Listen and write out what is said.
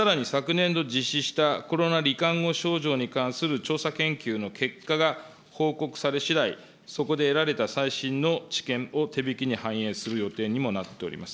さらに昨年度実施したコロナり患後症状に関する調査研究の結果が報告されしだい、そこで得られた最新の知見を手引に反映する予定にもなっております。